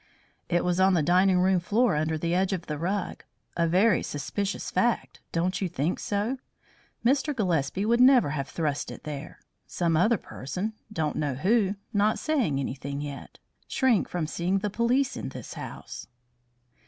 "It was on the dining room floor, under the edge of the rug. A very suspicious fact, don't you think so? Mr. Gillespie would never have thrust it there. Some other person don't know who not say anything yet shrink from seeing the police in this house."